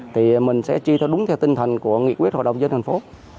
thì mình sẽ chi cho đúng theo tinh thần của nghị quyết hội đồng dân thành phố